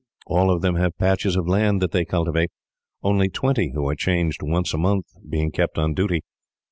All of them have patches of land that they cultivate; only twenty, who are changed once a month, being kept on duty.